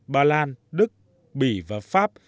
bà lan đức bỉ và pháp